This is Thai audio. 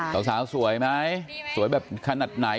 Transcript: สาวสวยไหมสวยแบบขนาดไหน